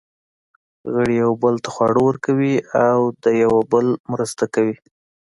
غړي یوه بل ته خواړه ورکوي او د یوه بل مرسته کوي.